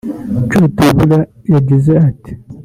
Joe Tabula yagize ati